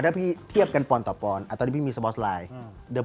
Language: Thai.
ถ้าพี่เทียบกันปอนดต่อปอนด์ตอนนี้พี่มีสบอสไลน์